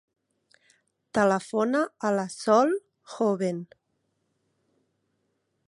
Telefona a la Sol Joven.